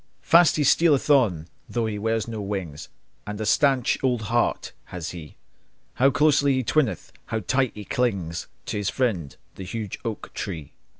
Fast he stealeth on, though he wears no wings, And a staunch old heart has he! How closely he twineth, how tight he clings To his friend, the huge oak tree!